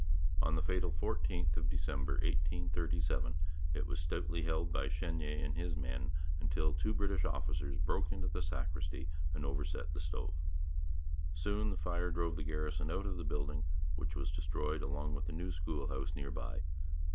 On the fatal fourteenth of December 1837 it was stoutly held by Chenier and his men, until two British officers broke into the sacristy and overset the stove. Soon the fire drove the garrison out of the building, which was destroyed along with the new school house near by.